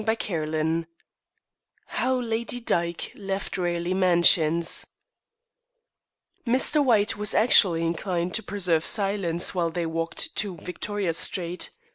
CHAPTER XXI HOW LADY DYKE LEFT RALEIGH MANSIONS Mr. White was actually inclined to preserve silence while they walked to Victoria Street.